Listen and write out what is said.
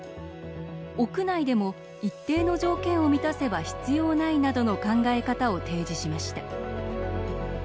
屋内でも、一定の条件を満たせば必要ないなどの考え方を提示しました。